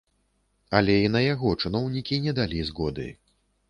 Але і на яго чыноўнікі не далі згоды.